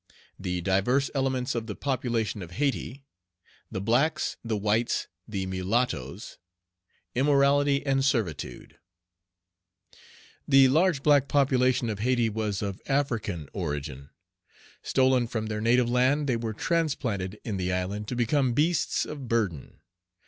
The diverse elements of the population of Hayti The blacks, the whites, the mulattoes; immorality and servitude. THE large black population of Hayti was of African origin. Stolen from their native land, they were transplanted in the island to become beasts of burden.